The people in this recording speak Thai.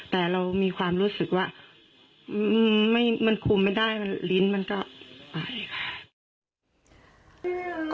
แต่เรามีความรู้สึกว่ามันคุมไม่ได้มันลิ้นมันก็ไปค่ะ